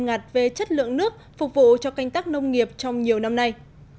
ngặt về chất lượng nước phục vụ cho canh tắc nông nghiệp trong nhiều năm nay